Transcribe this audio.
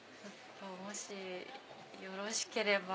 もしよろしければ。